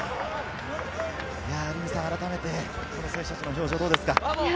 あらためて選手たちの表情どうですか？